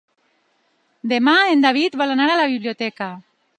Demà en David vol anar a la biblioteca.